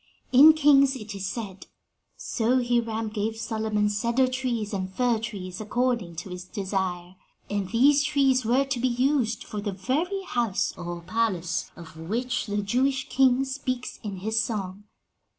"In Kings it is said, 'So Hiram gave Solomon cedar trees and fir trees, according to his desire,' and these trees were to be used for the very house, or palace, of which the Jewish king speaks in his Song.